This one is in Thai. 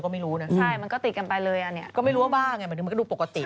ก็ไม่รู้ว่ามีบ้าเลยมันก็ดูปกติ